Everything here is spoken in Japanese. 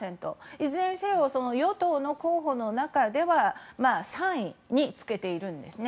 いずれにせよ与党の候補の中では３位につけているんです。